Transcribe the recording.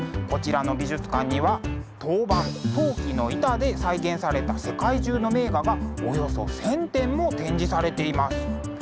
こちらの美術館には陶板陶器の板で再現された世界中の名画がおよそ１，０００点も展示されています。